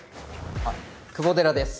あっ久保寺です